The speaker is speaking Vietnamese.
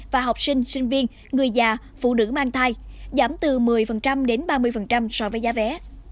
và học sinh sinh viên người già phụ nữ mang thai giảm từ một mươi đến ba mươi so với giá vé